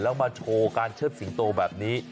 แล้วมาโชว์การเชิดสิงโตแบบนี้